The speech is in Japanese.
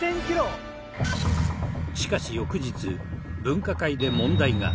しかし翌日分科会で問題が。